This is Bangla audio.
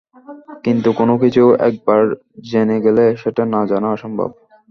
কিন্তু কোনোকিছু একবার জেনে গেলে, সেটা না জানা অসম্ভব।